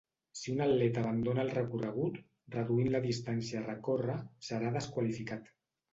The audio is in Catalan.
Si un atleta abandona el recorregut, reduint la distància a recórrer, serà desqualificat.